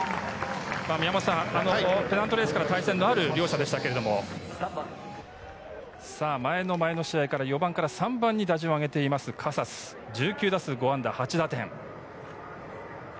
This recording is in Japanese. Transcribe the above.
ペナントレースから対戦のある両者でしたが、前の前の試合、４番から３番に打順を上げているカサス、１９打数５安打８打点。